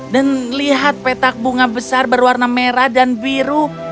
dan lihat petak bunga besar berwarna merah dan biru